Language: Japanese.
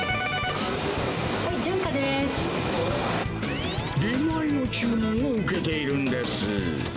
はい、出前の注文も受けているんです。